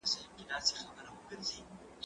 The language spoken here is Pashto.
دا درسونه له هغه مهم دي،